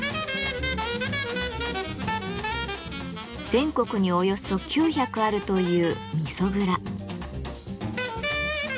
全国におよそ９００あるという味噌蔵。